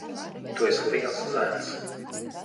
Tu esi liels zēns.